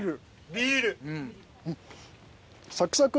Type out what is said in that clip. ビール！